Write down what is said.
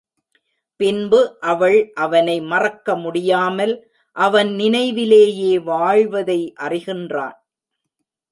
பின்பு அவள் அவனை மறக்க முடியாமல் அவன் நினைவிலேயே வாழ்வதை அறிகின்றான்.